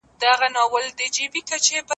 خپل نن ورځ په سم ډول تیر کړه.